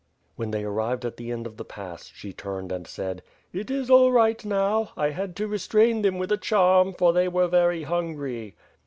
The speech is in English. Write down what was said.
When they arrived at the end of the pass, she turned and said: "It is all right now. I had to restrain them with a charm for they were very hungry.